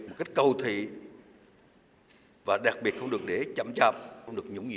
một cách cầu thị và đặc biệt không được để chậm chậm không được nhũng nhỉu